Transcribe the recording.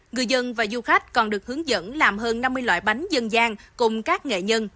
người dân và du khách còn được hướng dẫn làm hơn năm mươi loại bánh dân gian cùng các nghệ nhân